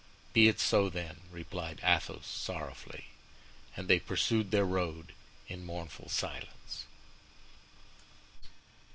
"Be it so then," replied Athos, sorrowfully. And they pursued their road in mournful silence.